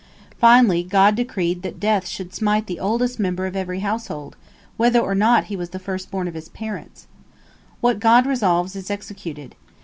Finally, God decreed that death should smite the oldest member of every household, whether or not he was the first born of his parents. What God resolves is executed.